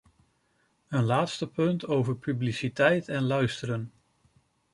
Een laatste punt over publiciteit en luisteren.